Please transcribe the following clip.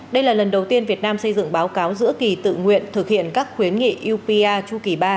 đây là lần đầu tiên việt nam xây dựng báo cáo giữa kỳ tự nguyện thực hiện các khuyến nghị upr chu kỳ ba